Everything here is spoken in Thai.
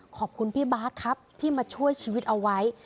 ขอบคุณพี่บาทครับที่มาช่วยชีวิตเอาไว้